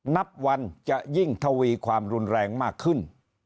นับวันจะยิ่งทวีความรุนแรงมากขึ้น